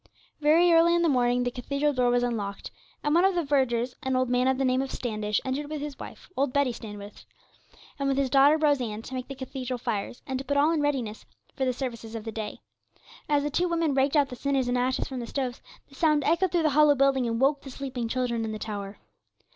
Very early in the morning the cathedral door was unlocked, and one of the vergers, an old man of the name of Standish, entered with his wife, old Betty Standish, and with his daughter Rose Ann, to make the cathedral fires, and put all in readiness for the services of the day. As the two women raked out the cinders and ashes from the stoves, the sound echoed through the hollow building, and woke the sleeping children in the tower.